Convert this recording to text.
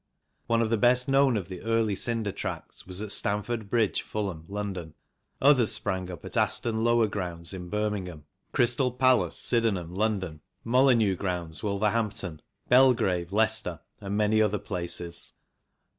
One of the best known of the early cinder tracks was at Stamford Bridge, Fulham, London ; others sprang up at Aston Lower Grounds, Birmingham ; Crystal Palace, Sydenham, London ; 67 68 THE CYCLE INDUSTRY Molyneux Grounds, Wolverhampton ; Belgrave, Leices ter ; and many other places.